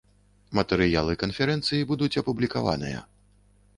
Матэрыялы канферэнцыі будуць апублікаваныя.